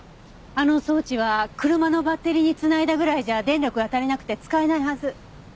あの装置は車のバッテリーに繋いだぐらいじゃ電力が足りなくて使えないはず。